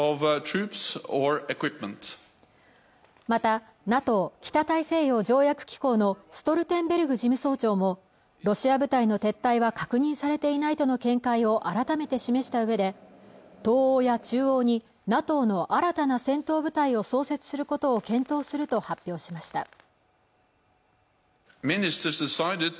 またＮＡＴＯ＝北大西洋条約機構のストルテンベルグ事務総長もロシア部隊の撤退は確認されていないとの見解を改めて示したうえで東欧や中欧にＮＡＴＯの新たな戦闘部隊を創設することを検討すると発表しました